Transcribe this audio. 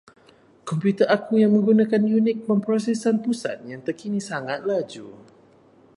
Komputer aku yang menggunakan unit pemprosesan pusat yang terkini sangat laju.